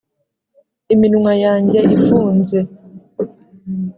iminwa yanjye ifunze.